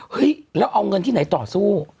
เฮ้ยแล้วเอาเงินที่ไหนต่อสู้